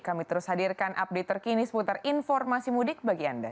kami terus hadirkan update terkini seputar informasi mudik bagi anda